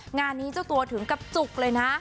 งานนี้เจ้าตัวถึงกับจุกเลยนะ